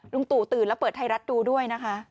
ตู่ตื่นแล้วเปิดไทยรัฐดูด้วยนะคะ